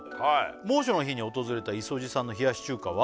「猛暑の日に訪れたいそじさんの冷やし中華は」